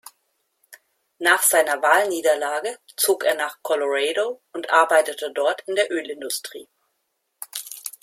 Nach seiner Wahlniederlage zog er nach Colorado und arbeitete dort in der Ölindustrie.